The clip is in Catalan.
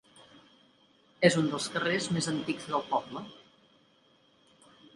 És un dels carrers més antics del poble.